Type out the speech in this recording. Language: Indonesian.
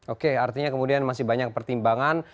oke artinya kemudian masih banyak pertimbangan